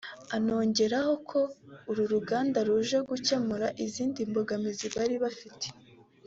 anongeraho ko urwo ruganda ruje gukemura izindi mbogamizi bari bafite